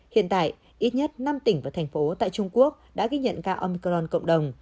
hiện tại ít nhất năm tỉnh và thành phố tại trung quốc đã ghi nhận ca omicron cộng đồng